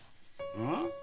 うん？